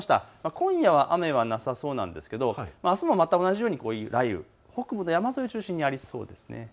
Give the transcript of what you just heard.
今夜は雨はなさそうなんですけどあすも全く同じように雷雨、北部山沿いを中心にありそうです。